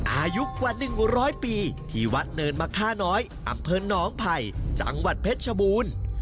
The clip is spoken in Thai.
อายุกว่า๑๐๐ปีที่วัดเนินมะค่าน้อยอำเภอน้องไผ่จังหวัดเพชรชบูรณ์